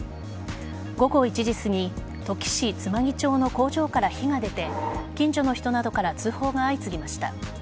午後１時すぎ土岐市妻木町の工場から火が出て近所の人などから通報が相次ぎました。